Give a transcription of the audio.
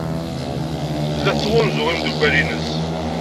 Tella tettɣanzu imeddukal-nnes.